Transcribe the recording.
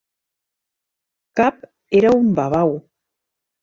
Cap era un "babau".